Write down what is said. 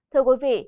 thưa quý vị